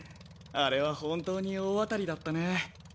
あれは本当に大当たりだったね。